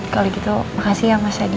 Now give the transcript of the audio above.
kalau gitu makasih ya mas adi